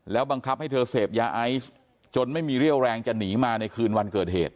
บังคับให้เธอเสพยาไอซ์จนไม่มีเรี่ยวแรงจะหนีมาในคืนวันเกิดเหตุ